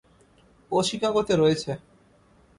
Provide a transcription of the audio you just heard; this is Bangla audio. ও শিকাগোতে রয়েছে।